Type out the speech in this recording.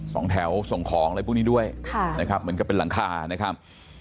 สองแถวส่งของอะไรพวกนี้ด้วยค่ะนะครับเหมือนกับเป็นหลังคานะครับ